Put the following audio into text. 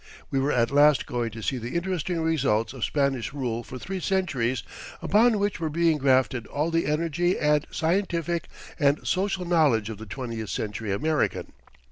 We were at last going to see the interesting results of Spanish rule for three centuries, upon which were being grafted all the energy and scientific and social knowledge of the twentieth century American.